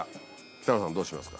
北野さんどうしますか？